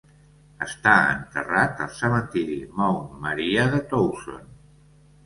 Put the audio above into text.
Està enterrat al cementiri Mount Maria de Towson.